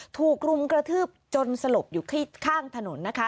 ถูกรุมกระทืบจนสลบอยู่ข้างถนนนะคะ